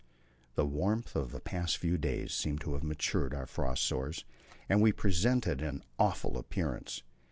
The warmth of the past few days seemed to have matured our frost sores, and we presented an awful appearance.